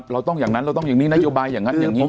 เราต้องอย่างนั้นเราต้องอย่างนี้นโยบายอย่างนั้นอย่างนี้